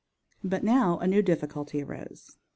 But now a new difficulty arose.